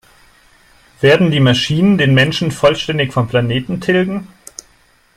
Werden die Maschinen den Menschen vollständig vom Planeten tilgen?